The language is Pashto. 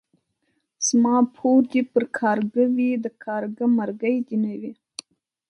زما پور دي پر کارگه وي ،د کارگه مرگى دي نه وي.